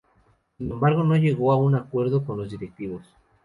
Sin embargo, no llegó a un acuerdo con los directivos.